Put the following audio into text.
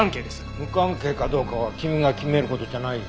無関係かどうかは君が決める事じゃないよ。